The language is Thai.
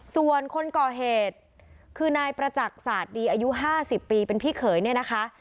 ส่วนคนก่อเหตุคือนายประจักษ์ศาสตร์ดีอายุ๕๐ปีเป็นพี่เขยเนี่ยนะคะ